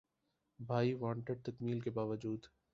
’بھائی وانٹڈ‘ تکمیل کے باوجود